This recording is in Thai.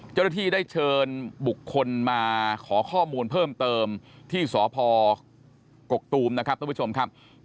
เจ้าหน้าที่ได้เชิญบุคคลมาขอข้อมูลเพิ่มเติมที่สพกกตูมนะครับท่านผู้ชมครับ